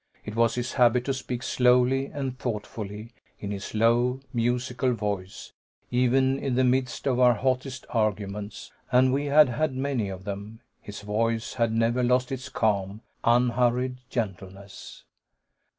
It was his habit to speak slowly and thoughtfully, in his low, musical voice; even in the midst of our hottest arguments, and we had had many of them, his voice had never lost its calm, unhurried gentleness.